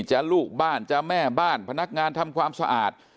จะลูกบ้านจะแม่บ้านพนักงานทำความสะอาด